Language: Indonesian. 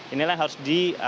inilah yang harus di